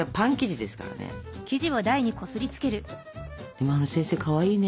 でもあの先生かわいいね。